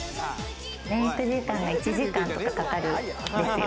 メイク時間が１時間とかかかるんですよ。